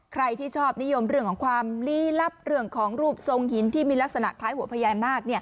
ใครที่ชอบนิยมเรื่องของความลี้ลับเรื่องของรูปทรงหินที่มีลักษณะคล้ายหัวพญานาค